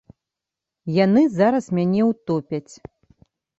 Яны зараз мяне ўтопяць.